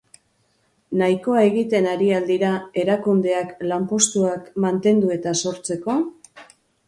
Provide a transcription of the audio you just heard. Nahikoa egiten ari al dira erakundeak lanpostuak mantendu eta sortzeko?